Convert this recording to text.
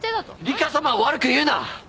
リカさまを悪く言うな！